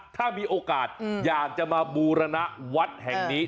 ถ้ามีโอกาสอยากจะมาบูรณวัดแห่งนี้